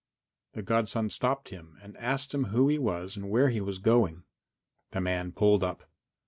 The godson stopped him and asked him who he was and where he was going. The man pulled up.